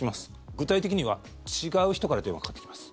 具体的には違う人から電話かかってきます。